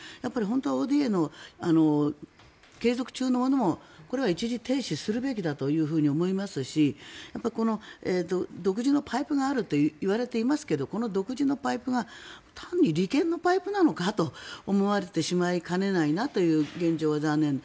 ＯＤＡの継続中のものもこれは一時停止するべきだと思いますし独自のパイプがあるといわれていますがこの独自のパイプが単に利権のパイプなのかと思われてしまいかねないという現状は、残念ながら。